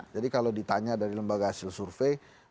jadi kalau ditanya dari lembaga hasil survei